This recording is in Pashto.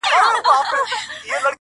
بلکې له هغوی سره یې